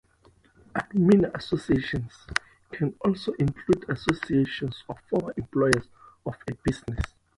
Alumni associations can also include associations of former employees of a business.